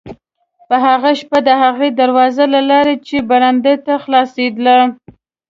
په هغه شپه د هغې دروازې له لارې چې برنډې ته خلاصېدله.